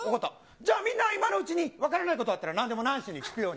じゃあ、みんな今のうちに分からないことあったら、なんでもナンシーに聞くように。